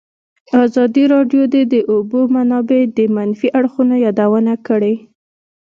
ازادي راډیو د د اوبو منابع د منفي اړخونو یادونه کړې.